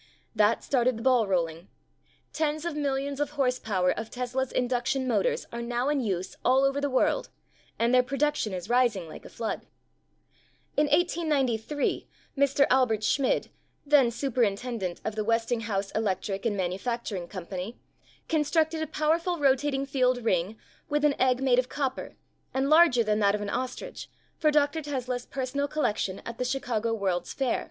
That started the ball rolling. Tens of millions of horse power of Tesla's induction motors are now in use all over the world and their produc tion is rising like a flood. In 1893 Mr. Albert Schmid, then Super intendent of the Westinghouse Electric and Mfg. Co. constructed a powerful rotating field ring with an egg made of copper, and larger than that of an ostrich, for Dr. Tesla's personal collection at the Chicago World's Fair.